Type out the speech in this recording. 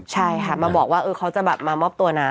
ใช่ค่ะมาบอกว่าเขาจะแบบมามอบตัวนะ